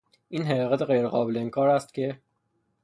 این حقیقت غیرقابل انکار است که...